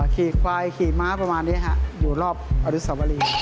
ขี่ควายขี่ม้าประมาณนี้ฮะอยู่รอบอนุสวรี